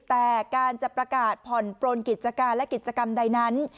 แต่การจะประกาศผ่อนปลนกิจการและกิจกรรมใดนั้น